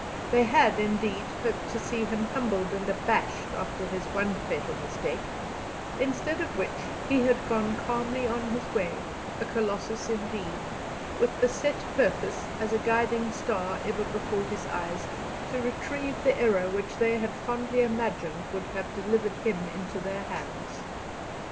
They had, indeed, hoped to see him humbled and abashed after his one fatal mistake, instead of which he had gone calmly on his way a Colossus indeed with the set purpose, as a guiding star ever before his eyes, to retrieve the error which they had fondly imagined would have delivered him into their hands.